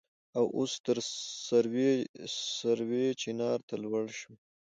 او اوس تر سروې چينار ته لوړه شوې.